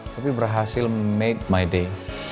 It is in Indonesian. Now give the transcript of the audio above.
tapi berhasil make my day